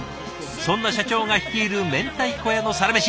そんな社長が率いる明太子屋のサラメシ